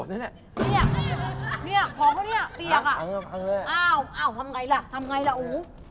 อ้าวอ้าวทำไงล่ะทำไงล่ะโห